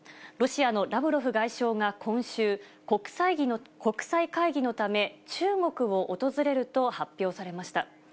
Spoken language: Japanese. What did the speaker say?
ロシアのラブロフ外相が今週、国際会議のため、中国を訪れると発表されました。